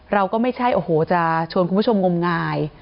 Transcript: เราก็ไม่ใช่โอ้โหจะชวนคุณผู้ชมงมงาย